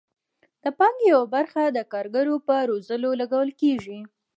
د پانګې یوه برخه د کارګرو په روزلو لګول کیږي.